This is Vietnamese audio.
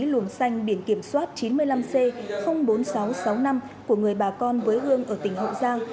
luồng xanh biển kiểm soát chín mươi năm c bốn nghìn sáu trăm sáu mươi năm của người bà con với hương ở tỉnh hậu giang